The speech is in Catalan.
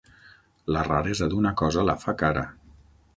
La raresa d'una cosa la fa cara.